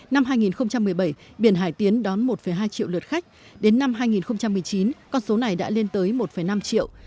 năm hai nghìn một mươi bảy biển hải tiến đón một hai triệu lượt khách đến năm hai nghìn một mươi chín con số này đã lên tới một năm triệu